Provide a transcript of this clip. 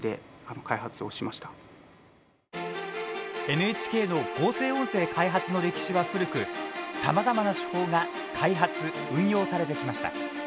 ＮＨＫの合成音声開発の歴史は古くさまざまな手法が開発、運用されてきました。